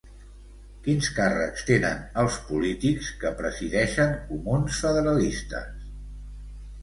Quins càrrecs tenen els polítics que presideixen Comuns Federalistes?